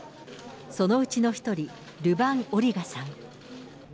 そのうちの１人、ルバン・オリガさん。